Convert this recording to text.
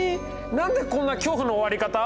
何でこんな恐怖の終わり方！？